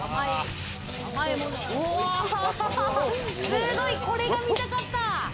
すごい！これが見たかった！